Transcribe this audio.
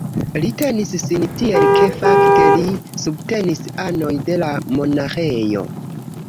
Li tenis sin tiel ke fakte lin subtenis anoj de la monaĥejo.